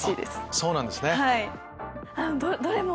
そうなんですね。